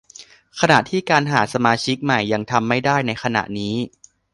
ขณะที่การหาสมาชิกใหม่ยังทำไม่ได้ในขณะนี้